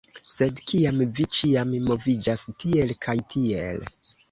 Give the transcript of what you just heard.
Sed kiam vi ĉiam moviĝas tiel kaj tiel